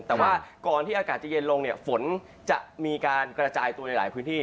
แต่ว่าก่อนที่อากาศจะเย็นลงเนี่ยฝนจะมีการกระจายตัวในหลายพื้นที่